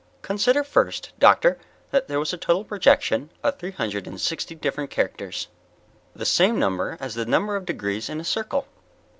"Consider first, doctor, that there was a total projection of three hundred and sixty different characters. The same number as the number of degrees in a circle.